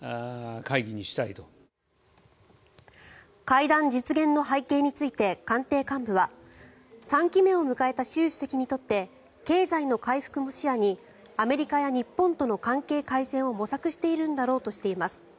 会談実現の背景について官邸幹部は３期目を迎えた習主席にとって経済の回復も視野にアメリカや日本との関係改善を模索しているのだろうとしています。